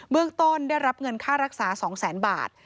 เรื่องต้นได้รับเงินค่ารักษา๒แสนบาท